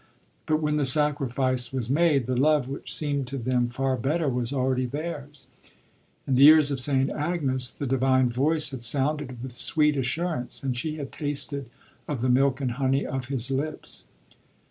But when the sacrifice was made, the love which seemed to them far better was already theirs. In the ears of St. Agnes the Divine Voice had sounded with sweet assurance, and she had tasted of the milk and honey of His lips.